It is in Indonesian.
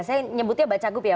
saya nyebutnya bacagup ya